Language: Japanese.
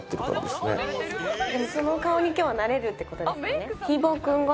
でもその顔に今日はなれるって事ですよね。